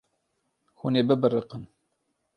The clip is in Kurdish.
Hûn ê bibiriqin.